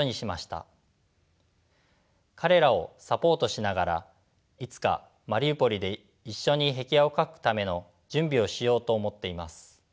彼らをサポートしながらいつかマリウポリで一緒に壁画を描くための準備をしようと思っています。